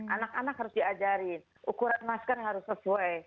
anak anak harus diajarin ukuran masker harus sesuai